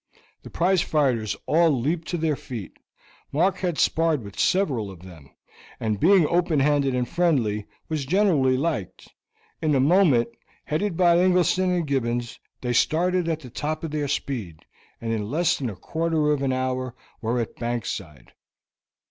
The prize fighters all leaped to their feet. Mark had sparred with several of them, and, being open handed and friendly, was generally liked. In a moment, headed by Ingleston and Gibbons, they started at the top of their speed, and in less than a quarter of an hour were at bank side.